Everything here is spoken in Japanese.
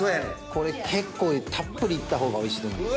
これ結構たっぷりいった方がおいしいと思います。